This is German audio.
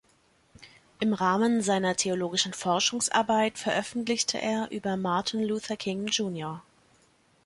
Im Rahmen seiner theologischen Forschungsarbeit veröffentlichte er über Martin Luther King, Jr.